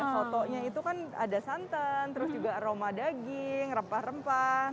sotonya itu kan ada santan terus juga aroma daging rempah rempah